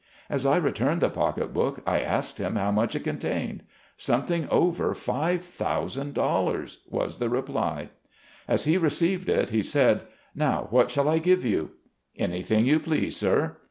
As I returned the pocket book I asked him how much it contained. " Something over five thousand dollars," was the reply. As he received it, he said, "Now, what shall I give you?" "Anything you please, sir."